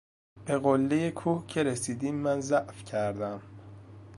به قله کوه که رسیدیم من ضعف کردم.